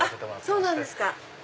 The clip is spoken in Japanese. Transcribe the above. そうなんですか。